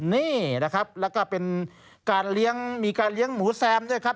นี่นะครับแล้วก็เป็นการเลี้ยงมีการเลี้ยงหมูแซมด้วยครับ